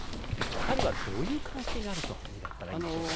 ２人は、どういう関係にあるとみたらいいんでしょうか。